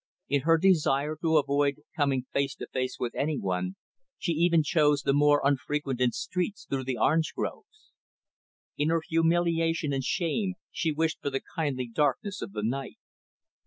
In her desire to avoid coming face to face with any one, she even chose the more unfrequented streets through the orange groves. In her humiliation and shame, she wished for the kindly darkness of the night.